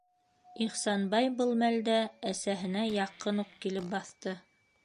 - Ихсанбай был мәлдә әсәһенә яҡын уҡ килеп баҫты.